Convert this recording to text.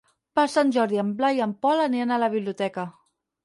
Per Sant Jordi en Blai i en Pol aniran a la biblioteca.